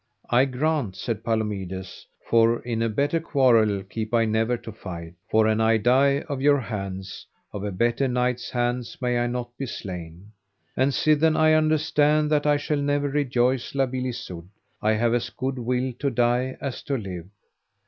I grant, said Palomides, for in a better quarrel keep I never to fight, for an I die of your hands, of a better knight's hands may I not be slain. And sithen I understand that I shall never rejoice La Beale Isoud, I have as good will to die as to live.